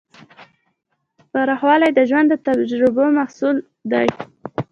پوخوالی د ژوند د تجربو محصول دی.